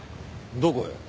どこへ？